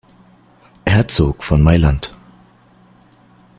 Herzog von Mailand.